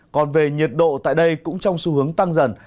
còn về nhiệt độ tại đây cũng trong xu hướng tăng dần